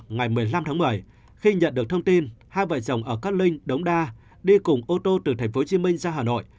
ngày một mươi năm tháng một mươi khi nhận được thông tin hai vợ chồng ở cát linh đống đa đi cùng ô tô từ tp hcm ra hà nội